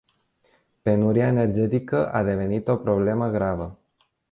Penuria energetică a devenit o problemă gravă.